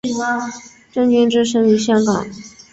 郑君炽生于香港。